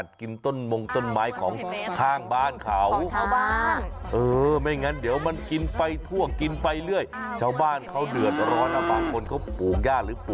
ใช่สิมันเป็นตะข่ายที่ป้องกันเอาไว้ไม่ให้น้องบัวเนี้ยไปแอบเล็มรึ